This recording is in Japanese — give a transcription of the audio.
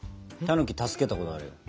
たぬき助けたことある。